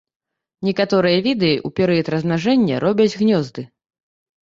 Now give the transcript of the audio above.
Некаторыя віды ў перыяд размнажэння робяць гнёзды.